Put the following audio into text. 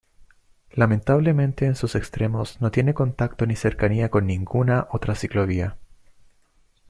Lamentablemente en sus extremos no tiene contacto ni cercanía con ninguna otra ciclovía.